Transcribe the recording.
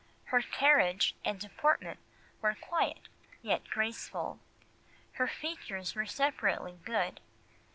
Her carriage and deportment were quiet yet graceful. Her features were separately good.